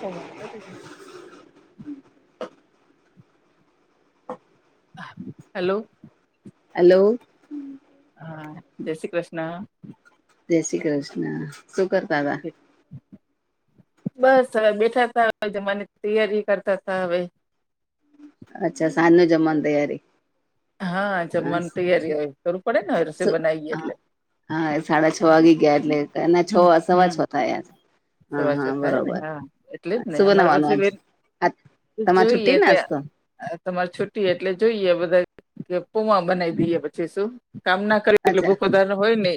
વા હમ hello hello હા શશ્રી કૃષ્ણ જય શ્રી કૃષ્ણ સુું કરતા હતાા બસ હવે બેઠા તા હ મને તૈયારી કરતા ત હવે અચ્છા સાાનું જમણ દ યારી હા જમવાનું તૈયારી હોય કરરું પડે ને રષ બનાવીયએ હા એટલે હા સાડા છ વાગી ગયા એટલે એ છ સવા છ હમ થ છે હા સવા હા છ થાય ને બરોબર હા એટલે જ ને સુભ અમારે પછી નવાનું આજ તમારે જોઈએ છુ્ટી ના એટલે હસતો તમારે છુી એટલે જોઈએ બધા કે પુમા બનાવી દઈએ પછી શું કામના એટલે અચ્છા ભૂખ વધારે હોય નને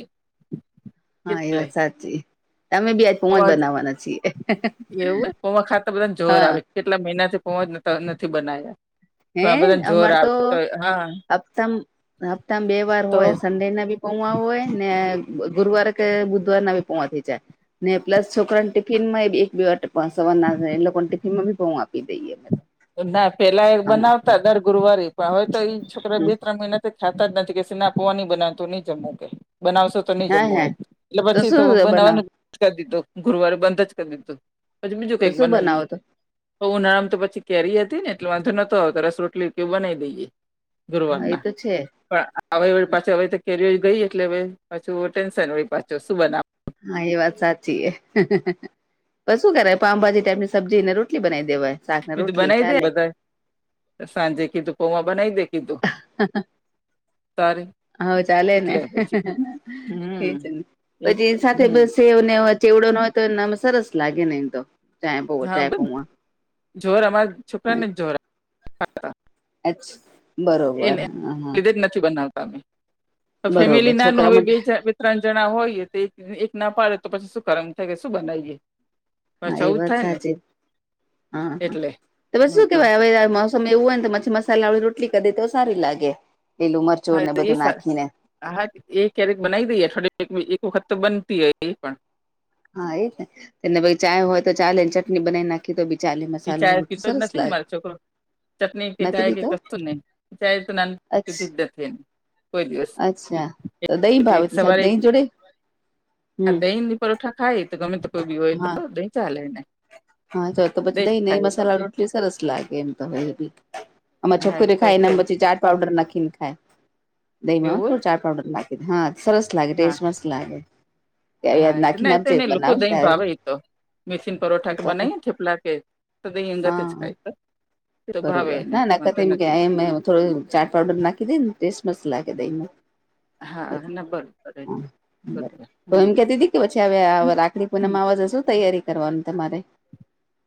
હા એ વાત સાચી તમે બી કો પોજ બનાવવાના છીએ એવું હો કોમાં ખાતા બધાને જોર હા આવે કેટલા મહિના થી પહોંચ નથી બના્યા પણ હે આ બધાને જોર અમારે તો આવે હા હપ્તા હપ્તામાં બે વાર તો હોય સડે ના બી પોવા હોય ને ગુરુવાર કે બુધવાર ના આવી પોવા થઈ જાય ને પ્લસ છોકરાને ટિફિન માં એક બે સવાર ના એ લોકોને ટિફિનમાં બી બઉું આપી દઈએ ના પેલા એક આમાં બનાવતા દર ગુરુવારી પણ હવે તો છોકરા હમ બે ત્ર મહિના ખાતા જ નથી કે સને પવાની બનાવતો નહી જમું કે બનાવશો તો નહી હા જમવું એ હા એટલે પછી તો શું બનાવો બનાવવાનું કરી દો ગુરુવારે બંધ જ કરી દો પછી બીજું તો કઈક શું બનાવીએ બનાવો તો તો ઉનાળામ તો પછી કેરી હતી ને એટલે વાંધો નતો આવતો રસ રોટલી કે બનાવી દઈએ હા એ ગુરવારના તો છે હવે પાછો હવે કેરી ગઈ એટલે હવે પાછું ટેન્શન હોળી પાછો શું બનાવે હા એ વાત સાચી છે પછ શું કરેય પામભાજી ટાઈપની સબજી નેોટલી બનાવી દેવાય શાક ને કીધું રોટલી બનાવી દે ચાલે બધા સાંજે કીધું પોમા બનાવી દે કીધું સારી હ ચાલે ને હમ છેને એ તો પછી સાથે બ હમ સેને ચવડો ન હોય તો એમ સરસ લાગે નહીં તો ચાયપવ હા બસ ચાયપવા જોર અમારા છોકરાને જ જોર આવતા [unintelligible] એને હા હા લીધે જ નથી બનાવતા અમે બરોબર ફેમિલી નાનું છોકરા હવે બે માટે ચ ત્રણ જણા હોઈએ તો એક ના પાડે તો પછી શું કરમ થાય કે શું બનાવીએ હા પછી એ આવું જ વાત થાય ને સાચી હા એટલે હા હમ શું તો કેવાય હવે મે એવું હોય ને મછી મસાલા વાળી રોટલી ક દે તો સારી લાગે પેલું મરી હ એ સર હા એક કે્યારેક બનાવી દઈએ એક વખત તો બનતી હો એ પણ હા એને ચાય હોય તો ચા લેને ચટણી બનાવી નાખી કે તો બી ચાલે મસાલા રોટલી સરસ લાગે ચટની કે નથી ચાય કે પીતો કસ્તું ન ચ તો ના અચ્છ ભિદ્દત અચ્છા તો દહી ભાવે એક શ સવારે દહીં જોડે આ હમ દહીં ની પરોઠા ખાય તો ગમે તે કોઈ બી હોય તો હા દહીં ચાલે ને હા તો તો પછી નહી નહી મસાલા રોટલી સરસ લાગે એમ તો હયી અમા હા એ છોકરી તો ખાઈને છે જ. પછી ચાર પાવડર નાખીને ખાય દહીમાં એવું થોડું ચાર પાવડર નાખે હા સરસ લાગે હોય? હા ટેસ્ટ મસ્ત લાગે હા એ નાખી ના એ તો નાજ એને લોકો બનાવ દહીં ત્યારે ભાવે એ તો મચન પરોઠા કે બનાઈએ થેપલા કેધંગ હા ખાય ભાવે એને વાંધ નથી મે થોડ ચાટ પાાવઉડર નાખી દઈ ને ટેસ્ટ મસ લાગ દઈને હા ના બરોબ બરોબર તો હમ એમ કેતી હતી કે પછી હ રાખડી પૂનમ હમ. આવવા જશો તૈયારી કરવાનું તમારે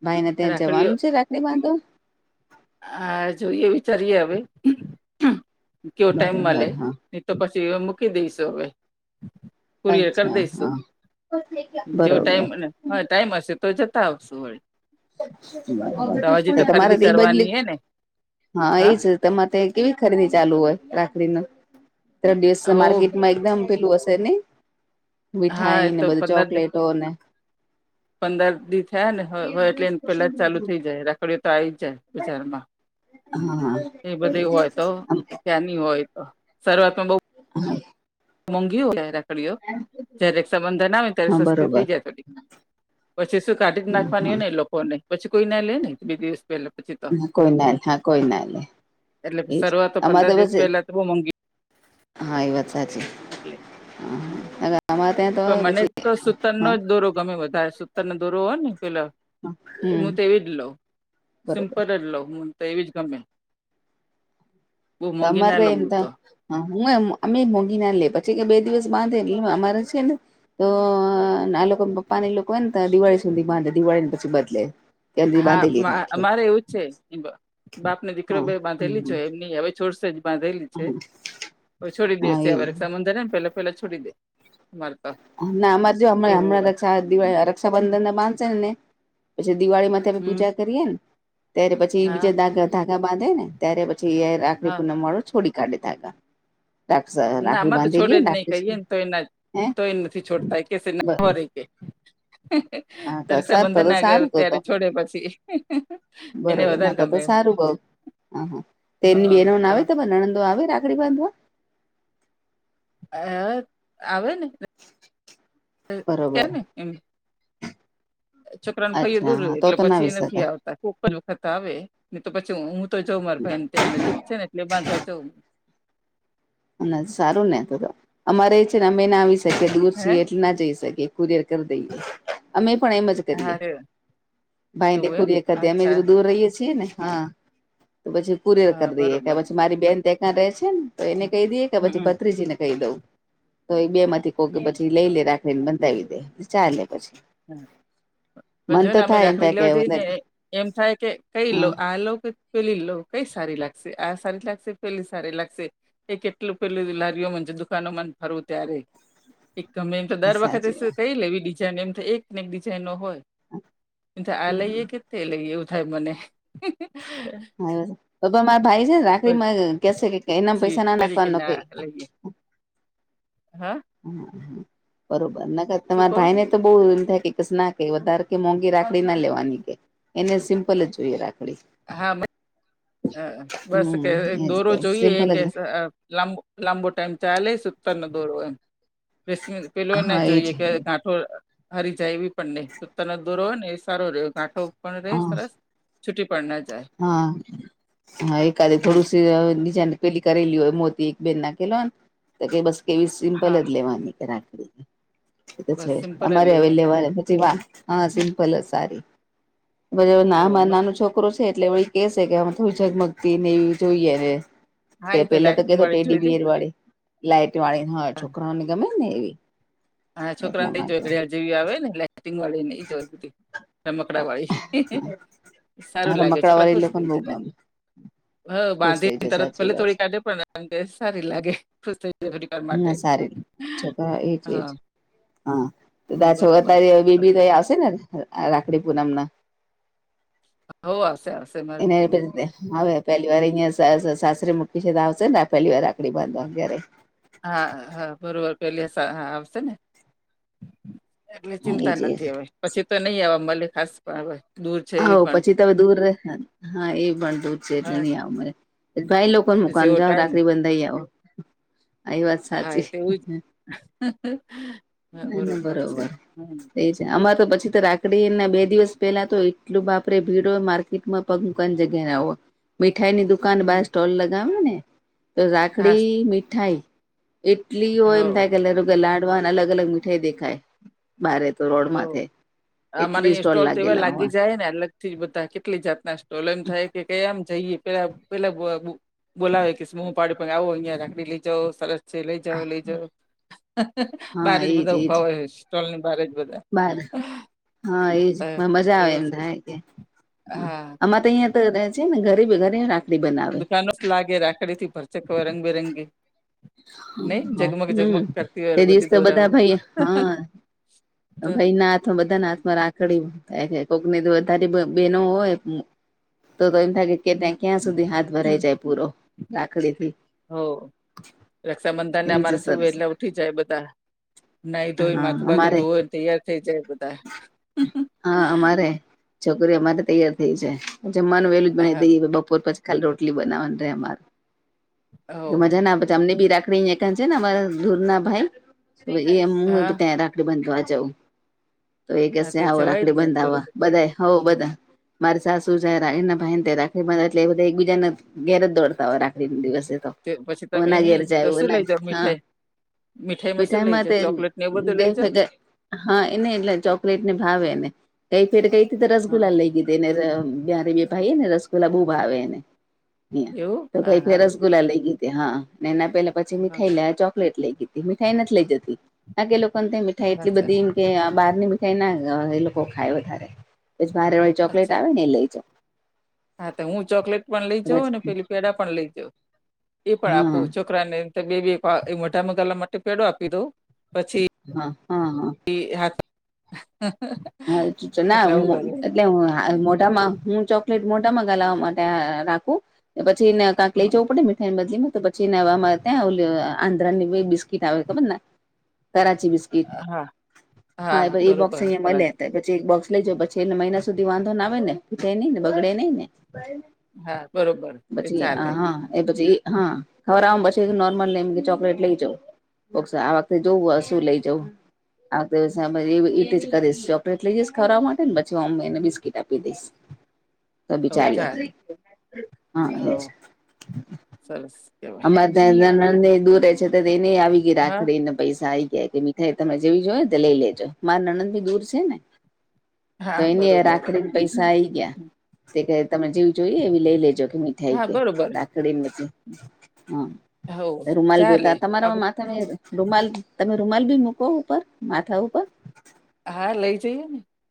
ભાઈ ને ત્યાં રાખડીઓ જવાનું છે રાખડી બાંધો હ જોઈએ વિચારીએ હવે કેવો ટાઈમ મળે બરોબર હા તો પછી મૂકી દઈશું હવે કુરીયર કરી અચ્છા દઈશો હા જેવ બરોબર ટાઈમને હા ટાઈમ હશે તો જતા આવશો વળ બ તમારે ખરીદી તો ઈ બદલી કરવાની હે ને હા એ જ તમા તે કેવી ખરીદી ચાલુ હોય રાખડી ન ત્ર દિવસ હો માર્કેટમાં એકદમ પેલું હશે ને હા મીઠાઈ એ ને તો બધું પંદર દસ ચોકલેટો ને પંદર દિવ થાય ને હોય એટલે પેલા જ ચાલુ થઈ જાય રાખડીઓ તો આવી જાય બજારમાં હા હા ક્યાંની હોય તો શરૂઆતમાં બ [unintelligible] મોંઘી હોય રાખડીઓ જયારે સંબંધ ના હો ત્યારે હા સસ્તી બરોબર થઈ જાય થોડી પછી શું કાઢી નાખવાની હા હોય ને લોકો ને પછી કોઈ ના લે ન બી દિવસ [unintelligible] હ કોઈ ના હા કોઈ ના એટલે એજ શરૂઆત અમારે પંદર તો બસ દિવસ પહેલા તો બહુ મોંઘી હા એ વાત સાચી એટલે હા અમારે ત્યાં હ તો પણ મને પછી તો સ હા સુતનનોો જ દોરો ગમે વધારે સૂતર ને દોરો હોય ને પેલા હમ હું તોવી જ લોઉ બરોબર સિમ્પલ જ લોઉ તે એવી જ ગમે બહ મઘીને અમારે એમ લબું તા તો હા હુંમ અમે મોંઘી ના લે પછી કે બે દિવસ બાંધે એટલે અમારે છે ને તો આ લોકો પપ્પા લોકો હોય ને ત દિવાળી સુધી બાંધે દિવાળી ને પછી બદલે ત્યાં સુધી બાંધેલી હા રાખે અમારે એવું જ છે બાપ ને દીકરો હા ભાઈ બાંધેલી જો હમ એમ હવે છોડસે જ બાંધેલી હમ છોડી હા એ દેશેરે સમદરને પેલા પેલા છોડી દે મારે તો ના અમારે જો હં એવું હોય હમણાંા રક્ષાબંધન બાંધશે ને ને પછી દિવાળીમાં મે હમ પૂજા કરીએ ને ત્યારે પછી હા બીજા ધાાગા બાંધે ને ત્યારે પછી આખરી હા પૂ ન માળો છોડી કાઢી દા ના લાકડી આમાં તો છોડે બાંધી લાકડી હે. છોટતા કે. બસ. કે [unintelligible] તો સારું તો રક્ષાબંધન તો ના ગ સારું તો ત્યારે તો છોડે પછી એને બરોબર ના વધારે તો ગમે એમ. સારું બ હા તેની બેનો ના આવે તો નણંદો આવે રાખડી બાંધવા. અ આવે ને કે બરોબર ને એમ. છોકરાને ફાઈ અચ્છા હા દૂર્યું તો એટલે તો ના પછી આવી એ નથી શકાય આવતા. વખત આવે ને તો પછી હું તો જઉં મારા ભાઈ ને ત્યાં નજીક છે ને એટલે બાંધવા જઉં. સારું ને અમારે એ છે ને અમે ના આવી શકીએ દૂર હે છીએ એટલે ના જઈ શકીએ. દર કર દઈએ અમે પણણા હા મજ. રે ભાઈ ને એવું એમ પૂરીએ અચ્છા અમે દૂર રહીએ છીએ ને હા. તો પછી પુરેર હા કરી દઈએે કે બરોબર પછી મારી બેન ત ર રહે છે ને. એને હમ કહી દઈએ કે પછી હમ ભત્રીજી ને કહી દઉં તો એ બે થી કો હમ પછી લઈ લે રાખ. ફ બંધવી દે ચાલે પછી. હમ. મન તો જોને અમે થાય એમ થાય રાાખડી કે લેવા જઈ ને એમ થાય કે કઈ હા આ લો. પેલી લો કઈ સારી લાગશે આ સારી લાગશે પેલી સારી લાગશે. એ કેટલું પેલું લારીઓ છે દુકાનો ને ફરવું ત્યારે. એક ગમે એમ તો દર વખતે સાચી વાત કઈ લેવી ડિઝાઇન એમ તો એકને એક ડિઝાઇન નો હોય. આ લઈએ કે એ લઈ એવું થાય મને. હા તો મારા ભાઈ છે રાખડી કેશે કે એનામ પછી પૈસા ના કરી નાખવા કે ના ન. લઈએ હા. હા બરોબર નખ શું તમારા કહો ભાઈ ને. તો બહુ થાય કેસ ના કે વધારે કે મોંઘી રાખડી ના લેવાની કે. એને સિમ્પલ જ જોઈએ રાખડી. હા બસ હમ કે દોરો એજ જોઈએ સિમ્પલ કે જ લાંબો. લાંબો ટાઈમ ચાલે સ ઉત્તર ન દોરો એમ રમ પેલો હા ના એજ જોઈએ કે. ગાંઠો હરી જાય એવી પણ નહી સુતાના દોરો હોય ને એ સારો રહ્યો ગાંઠો ર હા સરસ છુટી પડ ના જાય. હા હા એાદ હમ થોડુંસી નીચાને. પેલી કરેલી હોય મોતી એક બેહેન ના કેલો ને તો કે બસ કેવી સિમ્પલ હા જ લેવાની કે રાખડી? એ તો બસ છે સિમ્પલ જ અમારે લઈએ અમે અવેલેબલ પછી વા હા સિમ્પલ સારી. બ તો ના મા મસ્ત નાનું છોક. એટલે એ એ કે છે કે આમાં થોું ઝગમગતી ને એવી જોઈએ ને. હા તે એ પેલા તો લાઇટિંગ કેતો વાળી ટેડી જોઈતી બેર વાળી. લાઈટ વાળી ના હોય છોકરાઓને ગમે ને એવી. હા એટલા છોકરાને એ માટે જોગડીયાળ જેવી આવે ને લાટિંગ વાળી જોગડી. રમકડા વાળી હા સારું લાગે રમકડા છોકરા વાળી ખુશ થઈ લોકોને બહુ જ. ગમે હ ખુશ થઈ બાંધીને જાય તરત સાચી પેલે વાત થોડી કાઢે પણ સારી લાગે. જાય થોડીક વાર માટે ના સારી છોકરા એ. હા હા ત છ બરોબર અતારી બેબી તો આવશે ને રાખડી પૂનમ ના. હો આશે આ, એને પીતે હ. પહેલી વાર અહિયાં સાસરે મૂકી છે તો આવશે ને આ પહેલી વાર રાકડી બાંધવા ઘરે. હા હા બરોબર પેલી હા આવશે ને. એટલે હા ચિંતા એજ એજ નથી હવે પછી તો નહી આવવા મળે ખાસ પણ હવે. દૂર છે હો એ પણ પછી તમે દૂર રહે હા એ પણ દૂર છે એટલે હા નહી આવ મરે ભાઈ લોકો મુકાન જેવો જાઓ ટાઈમ રાખડી બંધાઈ આવો આ વાત હા એ સાચી તેવું જ હા બરોબર છે હમ અમાં તો પછી તો રાખડી ને બે દિવસ પેલા તો એટલું બાપરે ભીડ હોય માર્કેટમાં પગ મુકવાની જગ્યા ના હોય મીઠાઈ ની દુકાન બાર હમ. સ્ટોલ લગાવે ને તો હા રાખડી મીઠાઈ એટલી હોય હો એમ થાય કે [unintelligible] લાડવાના અલગ અલગ મીઠાઈ દેખાય બારે તો હો રોડમાંથે એટલી સ્ટોલ લાગેલા હોવા [unintelligible] અલગથી બધા કેટલી જાતના સ્ટોલમ થાય કે કે એમ જઈએ પેલા પેલા બોલાવે કે હું પાડી પણ આવો અહિયાં રાકડી લઈ જાવ સરસ પછી લઈ જાવ લઈ જાવ હા બારે જ એજ બધા એજ ઉભા હોય સ્ટોલ ની બારજ બાર હા એજ તો ને મજા આવે એવું એમ છે થાય કે હા તયા તો છે ને ઘરેબી ઘરે રાખ દુકાન મસ્ત લાગે રાખડીથી ભરતે રંગબેરંગી નઈ જગમગ જગમગ હમ કરતી તે હોય દિવસ બધી તો બધા દોરાવ ભાઈ ના હાથમાં બધા ના હાથમાં રાખ ખડી થાય છે કોકની તો વધારે બેહેનો હોય તો તો એમ થાય કે કે હમ, ત્યા ક્યાં સુધી હાથ ભરાઈ હમ. જાય પૂરો રાખડી થી હો રક્ષાબંધન ને જ અમારે શું સરસ વેલા ઉઠી જાય બધા નાઈ ધોય હા માથું બાથું અમારે ધોને તૈયાર થઈ જાય બ હા અમારે છોકરીઓમાતો તૈયાર થઈ જાય જમવાનું વેલું [unintelligible] હા, દઈએ બપોર પછી ખાલી રોટલી બનાવાની રે અમારે હો. મજા ના પછી અમને બી રાખ રાખડી છે ને અમારા દૂરના ભાઈ એ હું હા, ત્યાં રાખડી બાંધ જઉ તો એ હા કેશે તે આવો જવાય જ રાખડી ને બંધાવા બરોબર બધા હોઉ બધા મારી સાસુ છે ભાઈ તે રાખ એટલે એ બધા એકબીજાને ઘેર જ દોડતા હોય રાખડીના દિવસે તો તે પછી તમે એના એમ નહી તો ઘેરજાઓ શું એના લઈ જાવ હા મીઠાઈ? શું લઈ મીઠાઈમાં તે જાવ ચોકલેટ ને એવું બધું લઈ જાવ? [unintelligible] હા એને એટલે ચોકલેટ ને ભાવે એને કઈ કઈથીતે હા રસગુલ્લા લઈ દી તેને તો એમ જ્યારે બી ભાઈ ને રસગુલ્લા બો ભાવે એને એવું તો હા કઈક હા. રસ ગુલ્લા લઈ લીધી હા ને એના પેલા પછી હા મીઠાઈ લા ચોકલેટ લઈ લી મીઠાઈ નથી લઈ જતી આગે લોકોને મીઠાઈ એટલી અચ્છા બધી કે બહાર ની ભીઠાઈ ના એ લોકો ખાય વધારે ભારે વાળી ચોકલેટ અચ્છા આવે ને એ લઈ જા હા તો હું ચોકલેટ પણ લઈ હા જાઉ પેલી પેડા પણ લઈ જાઉ એ પણ આખુ હા ચો કરા ને એમ બે બે મોટા મોગાલા માટે પેડો આપી દઉ પછી હા હા હા હા ના એટલે મોટામાં હું ચોકલેટ મોટામાં ગલાવવા માટે રાખું પછીને કાંક લઈ હા જવું પડે બદલીમાં તો પછી નવામાં ત્યાં આવ આંધ્રા ની બિસ્કીટ આવે ખબરને કરાચી બિસ્કીટ હા હા એ બરોબર બોક્સ અહીંયા બરાબર. મળે હતા પછી એક બોક્સ લઈ જા પછી એલે મહિના સુધી વાંધો ના આવે ને ફી નહી ને બગડે નઈ ને હા બરોબર એ પછી ચાલે. આહા એ પછી હા ખબર આમ પછી નોર્મલ લઈમ કે ચોકલેટ લઈ જાય [unintelligible] આ વખતે જોવું શું લઈ જવું આ વખતેવી જ કરીશ એટલી વીસ કરવા માટે ને પછી હું એને બિસ્કીટ આપી દઈશ તોભી ચાલે હા એજ હવ. સરસ કેવાય અમારે તંને દૂર છે એને આવી ગયી હા રાખડી ને પૈસા આવી ગયા કે મી તમે જેવી જોય ને તો લઈ લેજો માર નણંદબી દૂર છે ને તો હા એની બરોબર રાખડીન પૈસા આઈ ગયા. તે કહે તમે જેવી જોઈએ એવી લઈ લેજો કે મીઠાઈ હા કે બરોબર રાખડી ને બધું. હા હો રૂમાલ ચાલે બેતા આપ તમારામાં મા તમે રૂમાલ તમે રૂમાલ બી મૂકો ઉપર માથા ઉપર હા લઈ જઈએ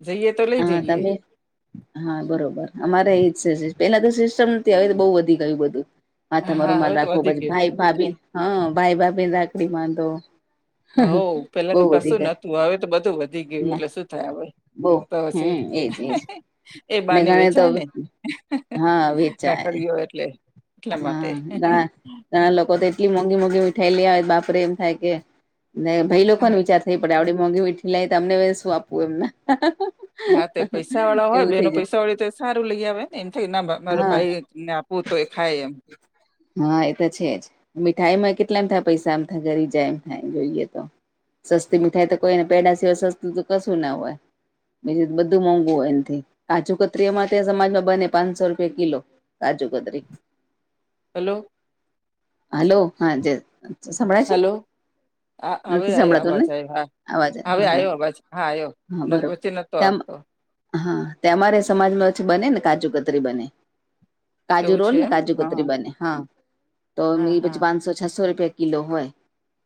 ને જઈએ તો લઈ હા જઈએ. તમે હા બરોબર અમારે એ જ છે પેલા તો સિસ્ટમ નથી અવે તો બહુ વધી ગયું બધું. માથામાં હા હવે રૂમાલ તો રાખવો વધી પછી ગયું ભાઈ ભાભી હા ભાઈ ભાભીન રાખડી બાંધો. હો પેલા તો બહુ વધી કશું નતું હવે તો બધું વધી ગયું એટલે શું થાય હવે પછી હમ્મ એજ એજ એ ને બાને ઘણી તો વેચાય ને હા વેચાય રાખડીઓ એટલે એટલા માટે હા ઘણા ઘણા લોકો તો એટલી મોંઘી મોંઘી મીઠાઈ લેવાય બાપરે એમ થાય કે ભાઈ લોકોને હા વિચાર થઈ પડે આવડી મોંઘી મીઠી લઈ એમને શું આપવું એમને હા તે પૈસા વાળા હોય એવું થઇ બેનો જાય પૈસા વાળી તો સારું લઈ આવે ને એમ થાય ના મારો હા ભાઈને આપું તો એ ખાય એમ. હા એ તો છે જ. મીઠાઈ માં કેટલામ થાય પૈસા આમ થાય ઘરી જાય એમ થાય જોઈએ તો સસ્તી મીઠાઈ તો કોઈને પેડા સિવાય સસ્તું તો કશું ના હોય. બીજું તો બધું મોંઘું હોય એનથી કાજુ કતરી અમારા ત્યાં સમાજમાં બને પાંચસો રૂપિયા કિલો કાજુ કતરી. હલો હલો હા જે સંભળાય છે હ હવે નથી આયો સંભળાતું અવાજ ને આય હા અવાજ હવે હા હા આયો અવાજ હા આયો હા બરોબર વચે નતો તેમ આવતો. હા તે અમારે સમાજમાં પછી બનેને કાજુ કતરી બને. કાજુ એવું રોલ છે ને એમ કાજુ હા કતરી બને હા તો હા હા. પછી પાંચસો છસો રૂપિયા કિલો હોય.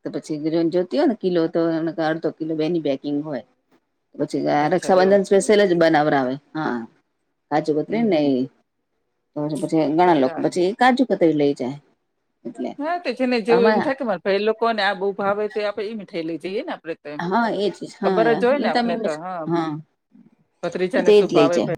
તો પછી જોતી હોય ને કિલો તો અડધો કિલો બેની પેકિંગ હોય. પછી અચ્છા એવું રક્ષાબંધન સ્પેશિયલ જ બનાવરાવે હા કાજુ હમ કતરીને ને હમ એ. તો પછી પછી તો ઘણા લોકો ચાલે પછી એ કાજુ કતરી લઈ જાય. એટલે નાા તો જેને જેવું એમ આમાં થાય મારે એ લોકો ને આ બહુ ભાવે તો આપણે એમ થઈ લઈ જઈએ ને આપડે. હા એજ હા ખબર જ હોય એ ને તમે આપને તો હા એ તો ભત્રીજાને એજ શું લઈ ભાવે. છે